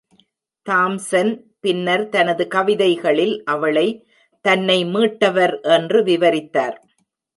Thomson பின்னர் தனது கவிதைகளில் அவளை தன்னை மீட்டவர் என்று விவரித்தார்.